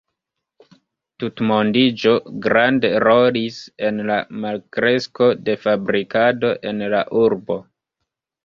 Tutmondiĝo grande rolis en la malkresko de fabrikado en la urbo.